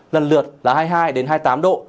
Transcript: lần lượt là hai mươi hai hai mươi tám độ